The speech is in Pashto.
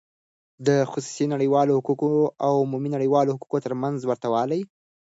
د خصوصی نړیوالو حقوقو او عمومی نړیوالو حقوقو تر منځ ورته والی :